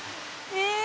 え！